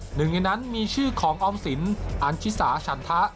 หนึ่งในนั้นมีชื่อของออมสินอันชิสาฉันทะ